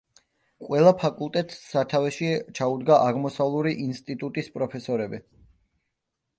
ყველა ფაკულტეტს სათავეში ჩაუდგა აღმოსავლური ინსტიტუტის პროფესორები.